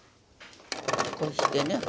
こうしてね。